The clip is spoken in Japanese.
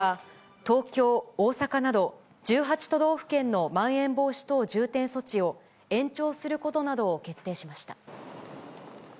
政府は、東京、大阪など、１８都道府県のまん延防止等重点措置を延長することなどを決定しました。